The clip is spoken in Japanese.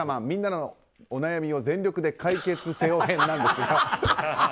みんなのお悩みを全力で解決せよ！編」なんですが。